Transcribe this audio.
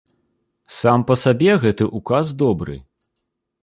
Сам па сабе гэты ўказ добры.